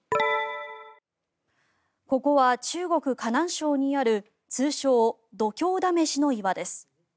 ここは中国・河南省にある通称・度胸試しの岩です。